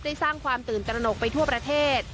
สร้างความตื่นตระหนกไปทั่วประเทศ